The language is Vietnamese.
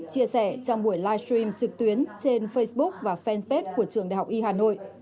chia sẻ trong buổi live stream trực tuyến trên facebook và fanpage của trường đại học y hà nội